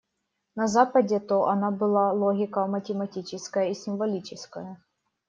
На Западе-то она была: логика математическая и символическая.